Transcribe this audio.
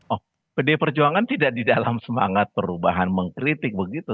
oh pdi perjuangan tidak di dalam semangat perubahan mengkritik begitu